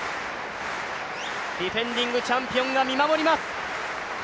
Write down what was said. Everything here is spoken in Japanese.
ディフェンディングチャンピオンが見守ります。